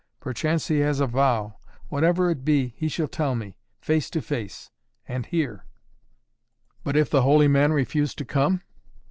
Perchance he has a vow. Whatever it be he shall tell me face to face and here!" "But if the holy man refuse to come?"